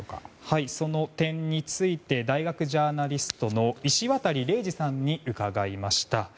その点について大学ジャーナリストの石渡嶺司さんに伺いました。